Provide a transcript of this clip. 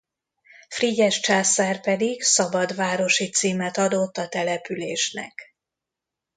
Frigyes császár pedig szabad városi címet adott a településnek.